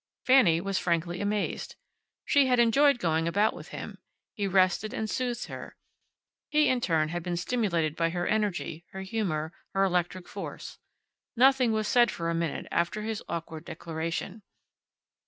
Fanny was frankly amazed. She had enjoyed going about with him. He rested and soothed her. He, in turn, had been stimulated by her energy, her humor, her electric force. Nothing was said for a minute after his awkward declaration.